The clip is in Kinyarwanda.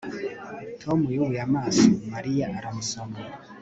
Tom yubuye amaso Mariya aramusoma